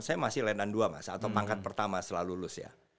saya masih lenan dua mas atau pangkat pertama setelah lulus ya